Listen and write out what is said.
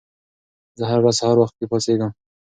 زه هره ورځ سهار وختي پاڅېږم.